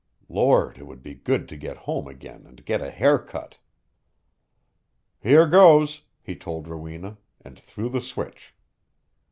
Lord, it would be good to get home again and get a haircut! "Here goes," he told Rowena, and threw the switch.